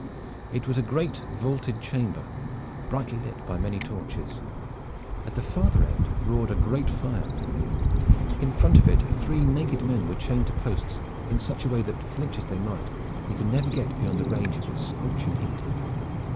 It was a great vaulted chamber, brightly lit by many torches. At the farther end roared a great fire. In front of it three naked men were chained to posts in such a way that flinch as they might they could never get beyond the range of its scorching heat.